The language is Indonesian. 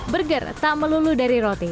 burger tak melulu dari roti